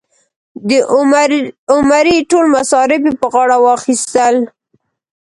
د عمرې ټول مصارف یې په غاړه واخیستل.